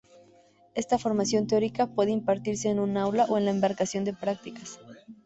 Esta formación teórica puede impartirse en un aula o en la embarcación de prácticas.